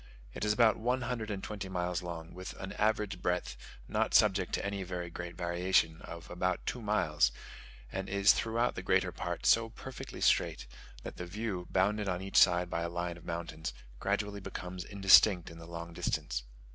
It is about one hundred and twenty miles long, with an average breadth, not subject to any very great variation, of about two miles; and is throughout the greater part so perfectly straight, that the view, bounded on each side by a line of mountains, gradually becomes indistinct in the long distance.